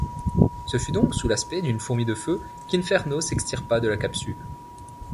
Ce fut donc sous l'aspect d'une fourmi de feu qu'Inferno s'extirpa de la capsule.